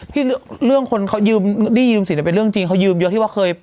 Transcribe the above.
ที่เรื่องคนเขายืมนี่ยืมสิแต่เป็นเรื่องจริงเขายืมเยอะการที่ครอบเขย